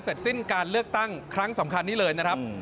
เสร็จสิ้นการเลือกตั้งครั้งสำคัญนี้เลยนะครับ